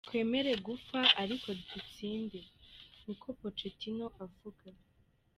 Twemera gupfa ariko dutsinde," niko Pochettino avuga.